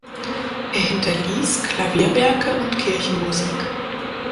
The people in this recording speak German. Er hinterließ Klavierwerke und Kirchenmusik.